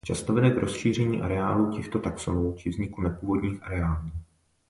Často vede k rozšíření areálů těchto taxonů či vzniku nepůvodních areálů.